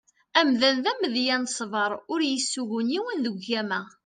Amdan d amedya n ṣsber ur d-yessugun yiwen deg ugama.